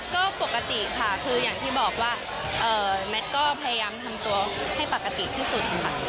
ก็ปกติค่ะคืออย่างที่บอกว่าแมทก็พยายามทำตัวให้ปกติที่สุดค่ะ